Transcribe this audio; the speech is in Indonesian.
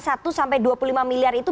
satu sampai dua puluh lima miliar itu